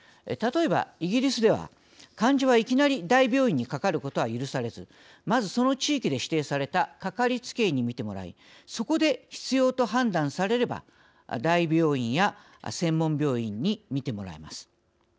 例えば、イギリスでは患者は、いきなり大病院にかかることは許されずまず、その地域で指定されたかかりつけ医に診てもらいそこで必要と判断されれば大病院や専門病院に診てもらえます。